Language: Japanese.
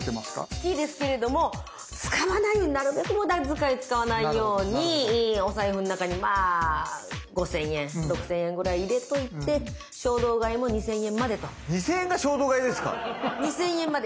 好きですけれども使わないようになるべく無駄遣い使わないようにお財布の中にまあ５，０００円６，０００円ぐらい入れといて２，０００円が衝動買いですか⁉２，０００円まで。